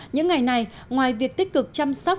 những ngày này ngoài việc tích cực chăm sóc